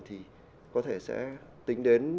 thì có thể sẽ tính đến